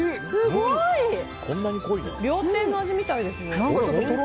料亭の味みたいですね。